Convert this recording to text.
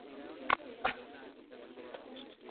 Sobre todo en el Parque Nacional de Andasibe-Mantadia.